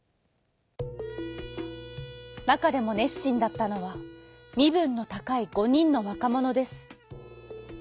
なかでもねっしんだったのはみぶんのたかい５にんのわかものです。